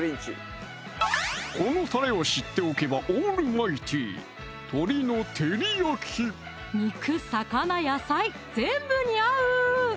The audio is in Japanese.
このタレを知っておけばオールマイティー肉・魚・野菜全部に合う！